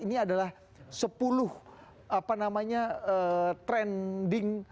ini adalah sepuluh apa namanya trending